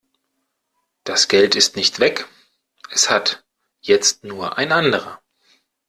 Das Geld ist nicht weg, es hat jetzt nur ein anderer.